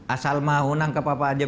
asal mau nangkap apa apa aja